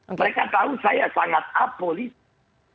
mereka tahu saya sangat apolitik